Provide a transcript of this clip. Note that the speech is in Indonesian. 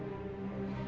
aku sudah berpikir